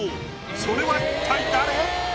それは一体誰？